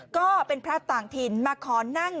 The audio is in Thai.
ก็เป็นพระต่างถิ่นมาขอนั่ง